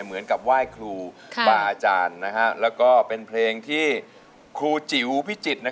เพราะร้องได้ให้รัก